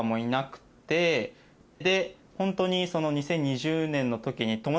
ホントに。